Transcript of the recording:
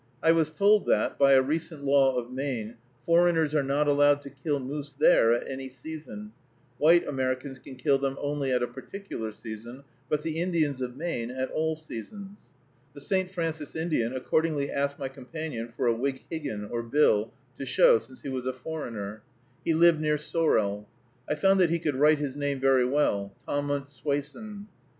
I was told that, by a recent law of Maine, foreigners are not allowed to kill moose there at any season; white Americans can kill them only at a particular season, but the Indians of Maine at all seasons. The St. Francis Indian accordingly asked my companion for a wighiggin, or bill, to show, since he was a foreigner. He lived near Sorel. I found that he could write his name very well, Tahmunt Swasen.